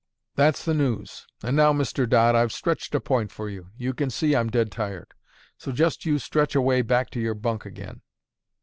That's the news. And now, Mr. Dodd, I've stretched a point for you; you can see I'm dead tired; so just you stretch away back to your bunk again."